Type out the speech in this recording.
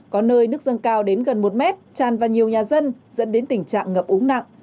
có nơi nước dâng cao đến gần một mét tràn vào nhiều nhà dân dẫn đến tình trạng ngập úng nặng